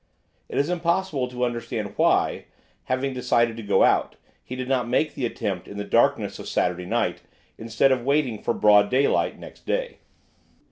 It is impossible to understand why, having decided to go out, he did not make the attempt in the darkness of Saturday night, instead of waiting for broad daylight next day.